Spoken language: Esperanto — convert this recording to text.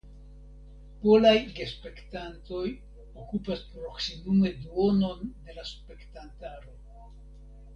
Polaj gespektantoj okupas proksimume duonon de la spektantaro.